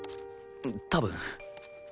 多分